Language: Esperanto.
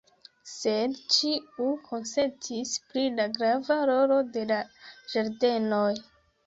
Sed ĉiu konsentis pri la grava rolo de la ĝardenoj.